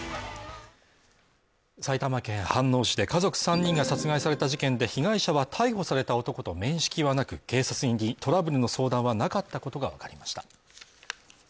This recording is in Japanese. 埼玉県飯能市で家族３人が殺害された事件で被害者は逮捕された男と面識はなく警察に行きトラブルの相談はなかったことが分かりました。